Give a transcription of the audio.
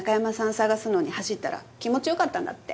捜すのに走ったら気持ちよかったんだって。